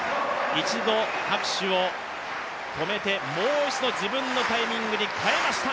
一度拍手を止めてもう一度自分のタイミングに変えました。